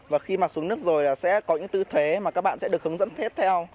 và khi mà xuống nước rồi là sẽ có những tư thế mà các bạn sẽ được hướng dẫn tiếp theo